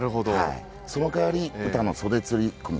その代わり、詩の袖釣り込み